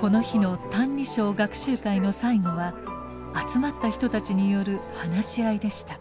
この日の「歎異抄」学習会の最後は集まった人たちによる話し合いでした。